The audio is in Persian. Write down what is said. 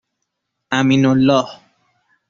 امینالله